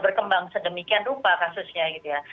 berkembang sedemikian rupa kasusnya